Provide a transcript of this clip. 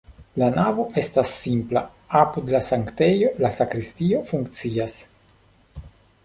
La navo estas simpla, apud la sanktejo la sakristio funkcias.